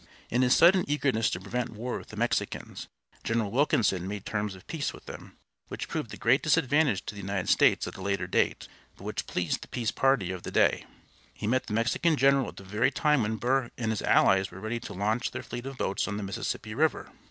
In his sudden eagerness to prevent war with the Mexicans, General Wilkinson made terms of peace with them, which proved a great disadvantage to the United States at a later date, but which pleased the peace party of the day. He met the Mexican general at the very time when Burr and his allies were ready to launch their fleet of boats on the Mississippi River.